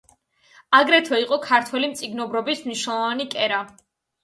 აგრეთვე იყო ქართული მწიგნობრობის მნიშვნელოვანი კერა.